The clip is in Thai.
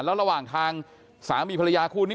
แล้วระหว่างทางสามีภรรยาคู่นี้